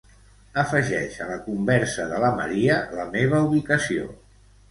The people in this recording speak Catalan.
Afegeix a la conversa de la Maria la meva ubicació.